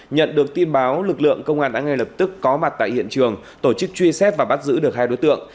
nhận được tin báo lực lượng công an đã ngay lập tức có mặt tại hiện trường tổ chức truy xét và bắt giữ được hai đối tượng